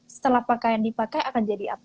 setelah pakaian dipakai akan jadi apa